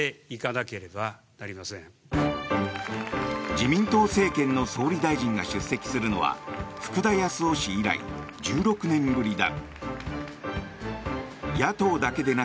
自民党政権の総理大臣が出席するのは福田康夫氏以来１６年ぶりだ。